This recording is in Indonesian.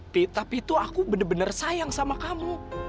tapi tuh aku bener bener sayang sama kamu